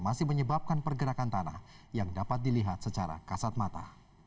masih menyebabkan pergerakan tanah yang dapat dilihat secara kasat mata